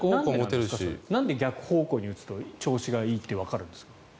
なんで逆方向に打つと調子がいいってわかるんですか？